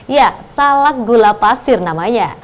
ya salak gula pasir namanya